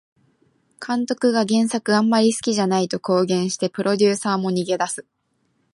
監督が原作あんまり好きじゃないと公言してプロデューサーも逃げ出す